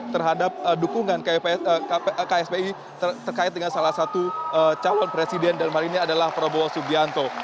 terhadap dukungan kspi terkait dengan salah satu calon presiden dalam hal ini adalah prabowo subianto